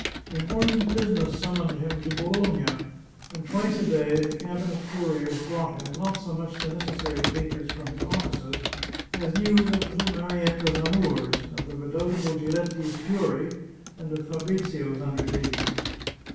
Important business summoned him to Bologna, and twice a day the cabinet couriers brought him, not so much the necessary papers from his offices, as news of little Mari etta's amours, of the redoubtable Giletti's fury, and of Fa brizio's undertakings.